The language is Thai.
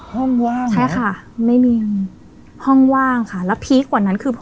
ห้องว่างใช่ค่ะไม่มีห้องว่างค่ะแล้วพีคกว่านั้นคือ